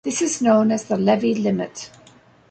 This is known as the levy limit.